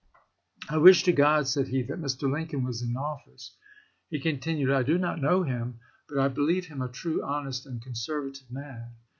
' I wish to God,' said he, ' that Mr. Lincoln was in office.' He continued, ' I do not know him, but I believe him a true, honest, and conservative man.'